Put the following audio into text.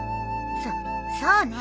そそうね。